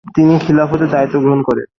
তিনি খিলাফতের দায়িত্ব গ্রহণ করেন।